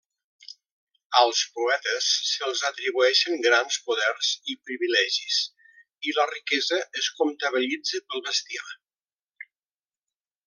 Als poetes, se'ls atribueixen grans poders i privilegis i la riquesa es comptabilitza pel bestiar.